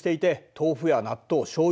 豆腐や納豆しょうゆ